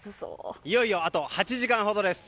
いよいよ、あと８時間ほどです。